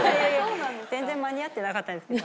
全然間に合ってなかったんですけど。